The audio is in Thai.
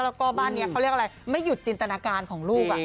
แล้วก็บ้านนี้เขาเรียกอะไรไม่หยุดจินตนาการของลูก